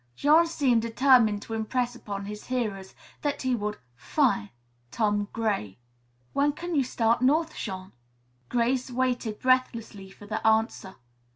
Jean seemed determined to impress upon his hearers that he would "fin'" Tom Gray. "When can you start north, Jean?" Grace waited breathlessly for the answer.